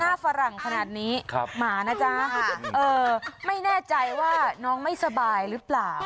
ฝรั่งขนาดนี้หมานะจ๊ะไม่แน่ใจว่าน้องไม่สบายหรือเปล่า